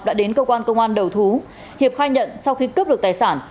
đã đến cơ quan công an đầu thú hiệp khai nhận sau khi cướp được tài sản